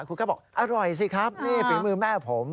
คุณก็บอกอร่อยสิครับนี่ฝีมือแม่ผม